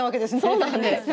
そうなんです。